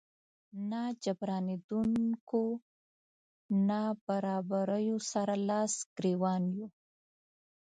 ناجبرانېدونکو نابرابريو سره لاس ګریوان يو.